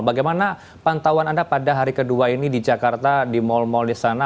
bagaimana pantauan anda pada hari kedua ini di jakarta di mal mal di sana